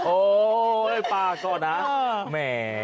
โอ้ปาโกนนะ